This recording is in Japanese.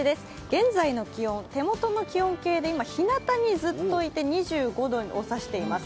現在の気温、手元の気温計で今、ひなたにずっといて２５度を指しています。